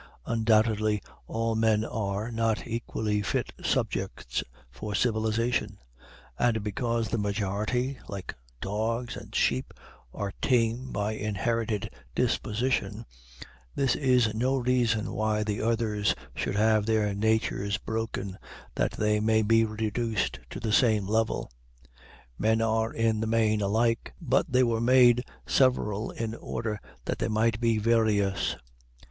Undoubtedly, all men are not equally fit subjects for civilization; and because the majority, like dogs and sheep, are tame by inherited disposition, this is no reason why the others should have their natures broken that they may be reduced to the same level. Men are in the main alike, but they were made several in order that they might be various.